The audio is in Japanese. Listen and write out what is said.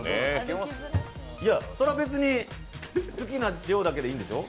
そら、別に好きな量だけでいいんでしょ？